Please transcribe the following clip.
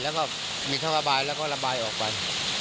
แล้วก็มีท่อระบายแล้วก็ระบายออกไป